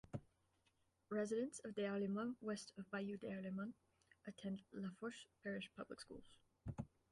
Residents of Des Allemands west of Bayou Des Allemands attend Lafourche Parish Public Schools.